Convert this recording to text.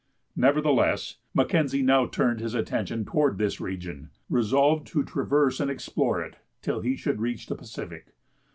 Nevertheless, Mackenzie now turned his attention toward this region, resolved to traverse and explore it till he should reach the Pacific.